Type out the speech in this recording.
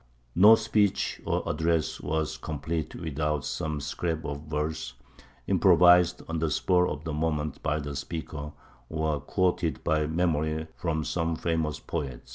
No speech or address was complete without some scrap of verse, improvised on the spur of the moment by the speaker, or quoted by memory from some famous poet.